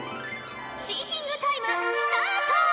シンキングタイムスタート！